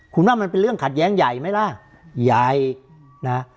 คุณว่ามันเป็นเรื่องขัดแย้งใหญ่ไหมล่ะใหญ่นะ